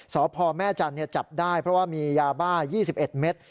สพแม่จันทร์จับได้เพราะว่ามียาบ้า๒๑เมตร